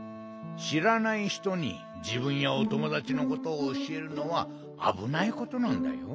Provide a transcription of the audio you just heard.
しらないひとにじぶんやおともだちのことをおしえるのはあぶないことなんだよ。